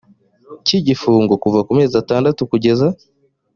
cy igifungo kuva ku mezi atandatu kugeza